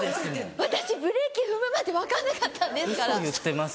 私ブレーキ踏むまで分かんなかったんですから。